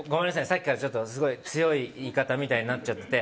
さっきから強い言い方みたいになっちゃってて。